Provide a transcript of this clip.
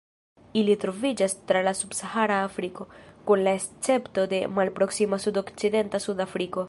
Ili troviĝas tra subsahara Afriko, kun la escepto de malproksima sudokcidenta Sudafriko.